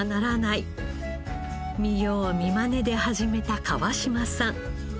見よう見まねで始めた川島さん。